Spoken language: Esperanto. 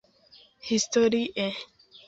Historie